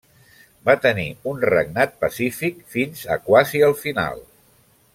Va tenir un regnat pacífic fins a quasi el final.